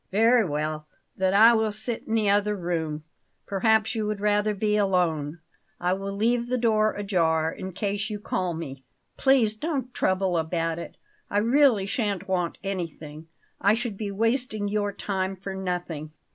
"Very well; then I will sit in the other room; perhaps you would rather be alone. I will leave the door ajar, in case you call me." "Please don't trouble about it; I really shan't want anything. I should be wasting your time for nothing."